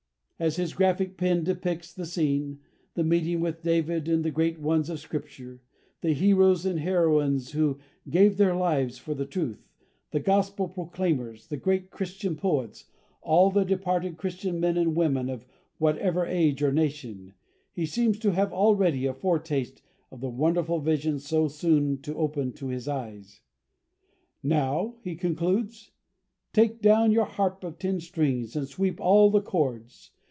As his graphic pen depicts the scene the meeting with David and the great ones of Scripture, "the heroes and heroines who gave their lives for the truth, the Gospel proclaimers, the great Christian poets, all the departed Christian men and women of whatever age or nation" he seems to have already a foretaste of the wonderful vision so soon to open to his eyes. "Now," he concludes, "take down your harp of ten strings and sweep all the chords.